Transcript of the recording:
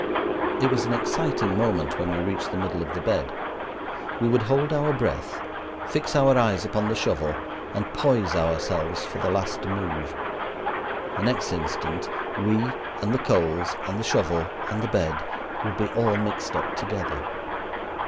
It was an exciting moment when we reached the middle of the bed. We would hold our breath, fix our eyes upon the shovel, and poise ourselves for the last move. The next instant we, and the coals, and the shovel, and the bed would be all mixed up together.